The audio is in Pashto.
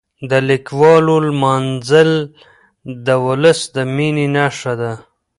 د لیکوالو لمانځل د ولس د مینې نښه ده.